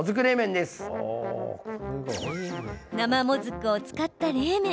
生もずくを使った冷麺。